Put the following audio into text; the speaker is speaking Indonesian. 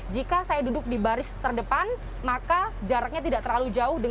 jika saya duduk di baris terdepan maka jaraknya tidak terlalu jauh